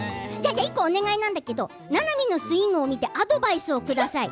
１個お願いなんだけどななみのスイング見て１個アドバイスください。